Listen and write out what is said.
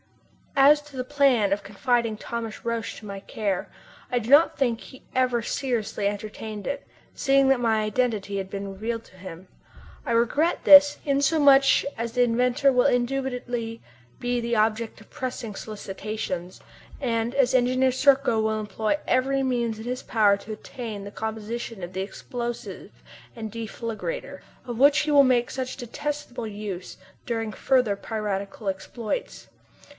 As to the plan of confiding Thomas Roch to my care, I do not think he ever seriously entertained it, seeing that my identity had been revealed to him. I regret this, inasmuch as the inventor will indubitably be the object of pressing solicitations, and as Engineer Serko will employ every means in his power to obtain the composition of the explosive and deflagrator, of which he will make such detestable use during future piratical exploits.